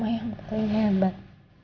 yang terlalu hebat